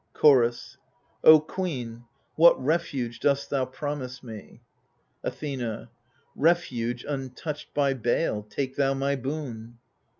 Chorus O queen, what refuge dost thou promise me ? Athena Refuge untouched by bale : take thou my boon.